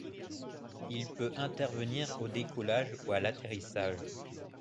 Il peut intervenir au décollage ou à l’atterrissage.